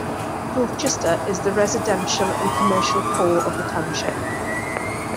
Dorchester is the residential and commercial core of the township.